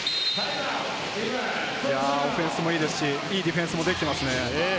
オフェンスもいいですし、いいディフェンスもできていますね。